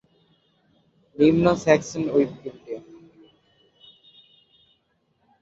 নিম্ন Saxon Wikipedia